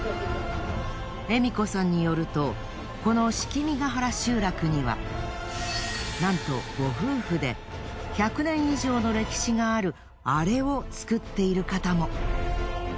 笑子さんによるとこの樒原集落にはなんとご夫婦で１００年以上の歴史があるあれを作っている方も。